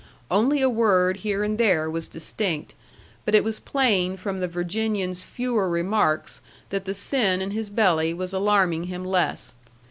Only a word here and there was distinct; but it was plain from the Virginian's fewer remarks that the sin in his belly was alarming him less.